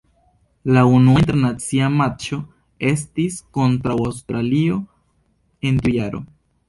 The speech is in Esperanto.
La unua internacia matĉo estis kontraŭ Aŭstralio en tiu jaro.